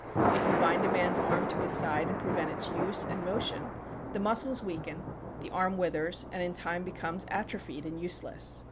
If you bind a man's arm to his side and prevent its use and motion the muscles weaken, the arm withers, and in time becomes atrophied and useless.